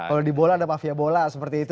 kalau di bola ada mafia bola seperti itu